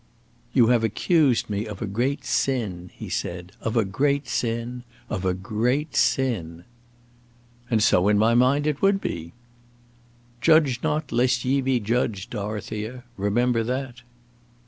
"You have accused me of a great sin," he said; "of a great sin; of a great sin!" "And so in my mind it would be." "Judge not, lest ye be judged, Dorothea; remember that."